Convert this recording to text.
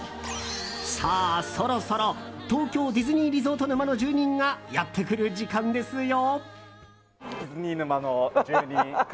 さあ、そろそろ東京ディズニーリゾート沼の住人がやってくる時間ですよ。